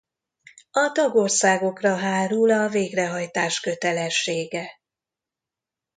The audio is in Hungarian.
A tagországokra hárul a végrehajtás kötelessége.